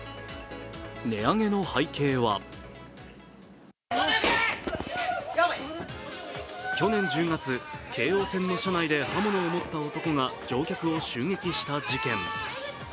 値上げの背景は去年１０月京王線の車内で刃物を持った男が乗客を襲撃した事件。